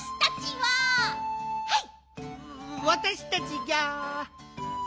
はい。